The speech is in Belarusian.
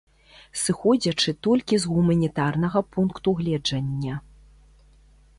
Сыходзячы толькі з гуманітарнага пункту гледжання.